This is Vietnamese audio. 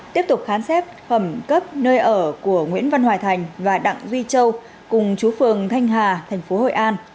tiếp tục khám xét khẩn cấp nơi ở của nguyễn văn hoài thành và đặng duy châu cùng chú phường thanh hà thành phố hội an